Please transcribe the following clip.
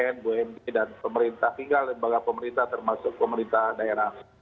n b m j dan pemerintah hingga lembaga pemerintah termasuk pemerintah daerah